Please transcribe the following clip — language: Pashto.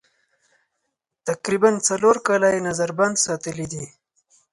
تقریباً څلور کاله یې نظر بند ساتلي دي.